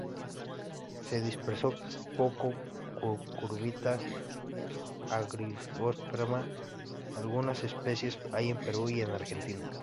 Se dispersó poco "Cucurbita argyrosperma", algunas especies hay en Perú y en Argentina.